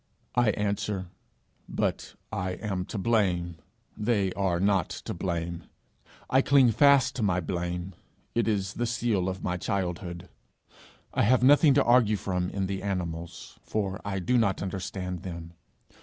I answer: "But I am to blame; they are not to blame! I cling fast to my blame: it is the seal of my childhood." I have nothing to argue from in the animals, for I do not understand them.